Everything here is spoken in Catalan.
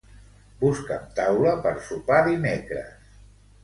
Busca'm taula per sopar dimecres.